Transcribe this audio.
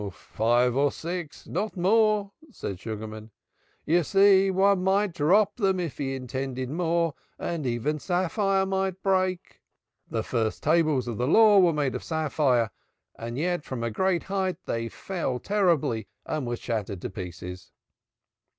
"Five or six seahs not more," said Sugarman. "You see one might drop them if he attempted more and even sapphire may break the First Tables of the Law were made of sapphire, and yet from a great height they fell terribly, and were shattered to pieces."